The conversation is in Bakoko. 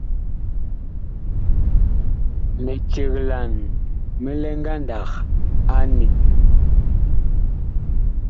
Miceglan mi lɛ ngandag a eniŋ.